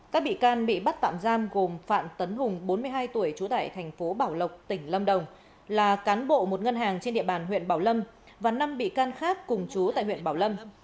các bị can bị bắt tạm giam gồm phạm tấn hùng bốn mươi hai tuổi trú tại thành phố bảo lộc tỉnh lâm đồng là cán bộ một ngân hàng trên địa bàn huyện bảo lâm và năm bị can khác cùng chú tại huyện bảo lâm